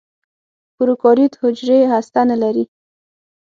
پروکاریوت حجرې هسته نه لري.